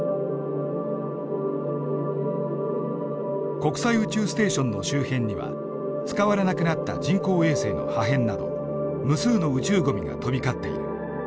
国際宇宙ステーションの周辺には使われなくなった人工衛星の破片など無数の宇宙ごみが飛び交っている。